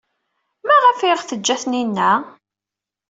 Maɣef ay aɣ-teǧǧa Taninna?